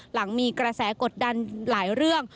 หลังมีกระแสกดดันหลายเรื่อง